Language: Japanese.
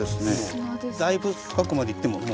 だいぶ深くまでいっても砂。